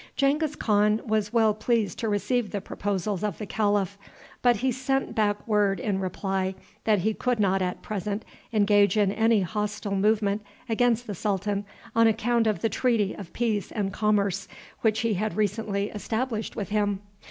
Genghis Khan was well pleased to receive the proposals of the calif, but he sent back word in reply that he could not at present engage in any hostile movement against the sultan on account of the treaty of peace and commerce which he had recently established with him.